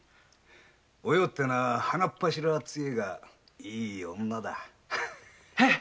お葉ってのは鼻っ柱は強いがいい女だ。